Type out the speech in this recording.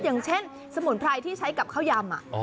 อย่างเช่นสมุนไพรที่ใช้กับข้าวยำ